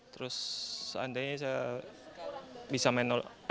terus seandainya saya bisa main asian games ya